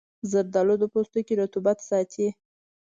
زردآلو د پوستکي رطوبت ساتي.